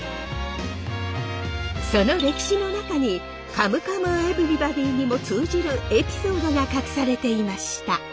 その歴史の中に「カムカムエヴリバディ」にも通じるエピソードが隠されていました。